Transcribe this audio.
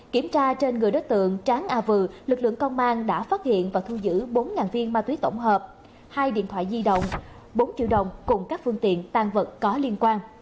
kiểm tra trên người đối tượng tráng a vừ lực lượng công an đã phát hiện và thu giữ bốn viên ma túy tổng hợp hai điện thoại di động bốn triệu đồng cùng các phương tiện tan vật có liên quan